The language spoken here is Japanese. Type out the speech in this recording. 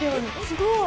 すごい。